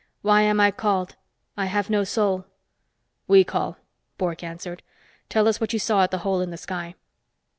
"Why am I called? I have no soul." "We call," Bork answered. "Tell us what you saw at the hole in the sky."